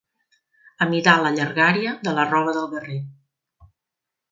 Amidar la llargària de la roba del guerrer.